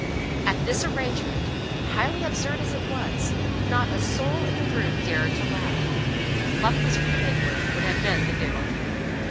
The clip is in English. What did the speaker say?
At this arrangement, highly absurd as it was, not a soul in the room dared to laugh; luckless for the giggler would have been the giggle.